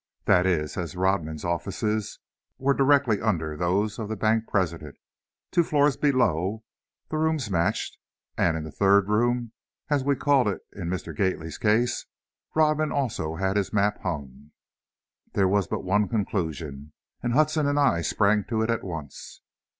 That is, as Rodman's offices were directly under those of the bank president, two floors below, the rooms matched, and in the "third room" as we called it in Mr. Gately's case, Rodman also had his map hung. There was but one conclusion, and Hudson and I sprang to it at once.